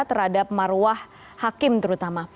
terhadap maruah hakim terutama